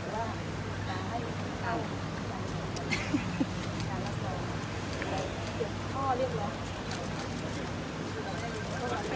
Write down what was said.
ไม่อยากให้บทการวันนี้ไปในสถานที่เริ่มร้อย